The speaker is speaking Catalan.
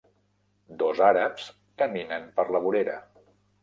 Dos àrabs caminen per la vorera.